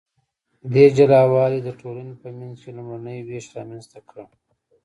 دې جلا والي د ټولنې په منځ کې لومړنی ویش رامنځته کړ.